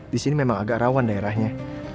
disini memang agak rawan daerahnya